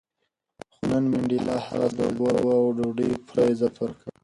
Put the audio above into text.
خو نن منډېلا هغه سړي ته د اوبو او ډوډۍ پوره عزت ورکړ.